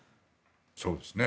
そうですね。